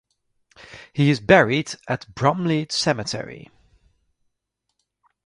He is buried at Bromley Cemetery.